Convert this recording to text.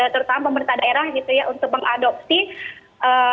terutama pemerintah daerah gitu ya untuk mengadopsi